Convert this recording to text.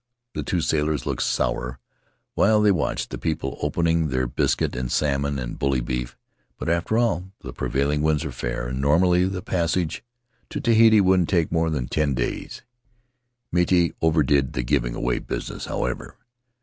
The two sailors looked sour while they watched the people opening their biscuit and salmon and bully beef, but, after all, the prevailing winds are fair, and normally the passage to Tahiti wouldn't take more than ten days. Miti overdid the giving away business, however.